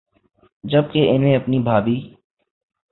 جب کہ انہیں اپنی بھابھی